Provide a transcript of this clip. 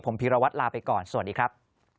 ผมพีรวัตรลาไปก่อนสวัสดีครับ